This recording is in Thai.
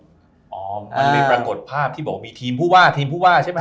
มันมีปรากฏภาพที่บอกว่ามีทีมผู้ว่าทีมผู้ว่าใช่ไหม